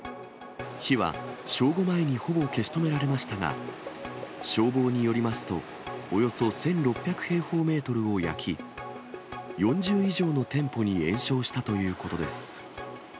火は正午前にほぼ消し止められましたが、消防によりますと、およそ１６００平方メートルを焼き、４０以上の店舗に延焼したということです。